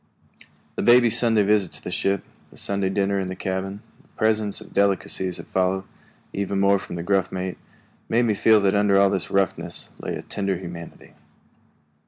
The baby's Sunday visit to the ship, the Sunday dinner in the cabin, the presents of delicacies that followed, even from the gruff mate, made me feel that under all this roughness lay a tender humanity.